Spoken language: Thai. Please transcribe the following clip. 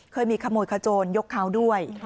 เคยมีขโมยขโจรยกเขาด้วย